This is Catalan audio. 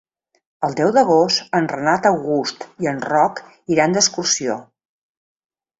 El deu d'agost en Renat August i en Roc iran d'excursió.